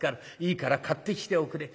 いいから買ってきておくれ」。